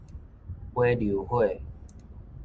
尾溜火